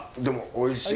おいしい？